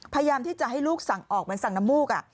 พยายามที่จะให้ลูกสั่งออกเหมือนสั่งน้ำมูก